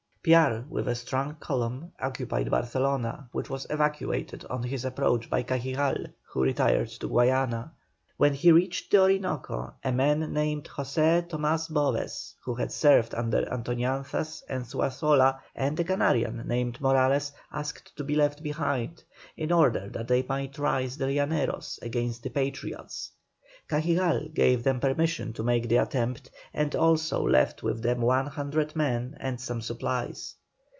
Piar, with a strong column, occupied Barcelona, which was evacuated on his approach by Cajigal, who retired to Guayana. When he reached the Orinoco, a man named José Tomas Boves, who had served under Antoñanzas and Zuazola, and a Canarian named Morales, asked to be left behind, in order that they might raise the Llaneros against the Patriots. Cajigal gave them permission to make the attempt, and also left with them one hundred men and some supplies.